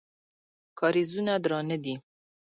کارېزونه درانه دي.